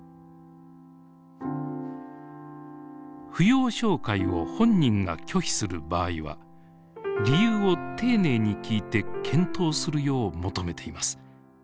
扶養照会を本人が拒否する場合は理由を丁寧に聞いて検討するよう求めています。